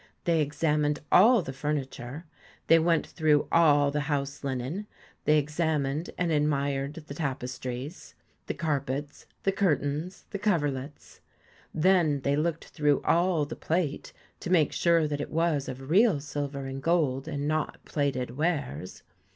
They examined all the furniture, they went through all the house linen, they examined and admired the tapestries, the carpets, the curtains, the cover lets; then they looked through all the plate to make sure that it was of real silver and gold, and not plated wares.